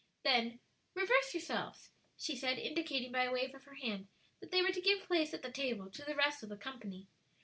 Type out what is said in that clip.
Then, "Reverse yourselves," she said, indicating by a wave of her hand, that they were to give place at the table to the rest of the company.